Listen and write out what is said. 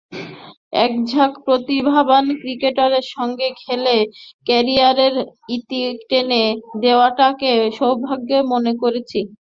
একঝাঁক প্রতিভাবান ক্রিকেটারের সঙ্গে খেলে ক্যারিয়ারের ইতি টেনে দেওয়াটাকে সৌভাগ্যই মনে করছি।